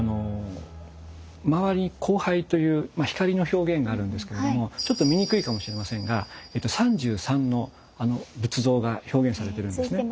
周りに光背という光の表現があるんですけれどもちょっと見にくいかもしれませんが３３の仏像が表現されてるんですね。